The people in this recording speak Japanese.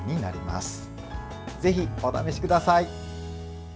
ぜひ、お試しください。